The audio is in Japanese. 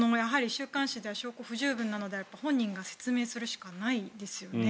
週刊誌では証拠不十分なので本人が説明するしかないですよね。